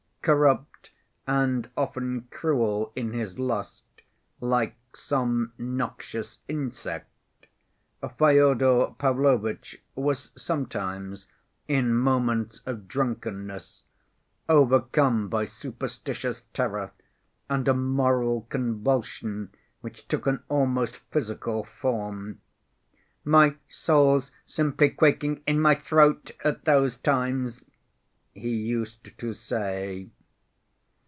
Corrupt and often cruel in his lust, like some noxious insect, Fyodor Pavlovitch was sometimes, in moments of drunkenness, overcome by superstitious terror and a moral convulsion which took an almost physical form. "My soul's simply quaking in my throat at those times," he used to say.